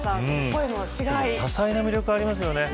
多彩な魅力がありますよね。